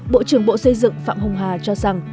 bộ trưởng bộ xây dựng phạm hồng hà cho rằng